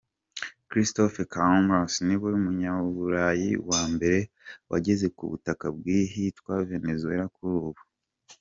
Christophe Columbus, niwe munyaburayi wa mbere wageze ku butaka bw’ahitwa Venezuela kuri ubu.